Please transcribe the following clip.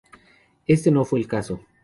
Éste no fue el caso.